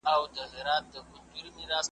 که سل کاله ژوندی یې، آخر د ګور بنده یې ,